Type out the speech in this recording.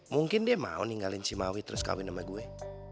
mungkin dia mau ninggalin cimawi terus kawin sama gue